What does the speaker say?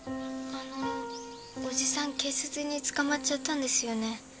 あのおじさん警察に捕まっちゃったんですよね？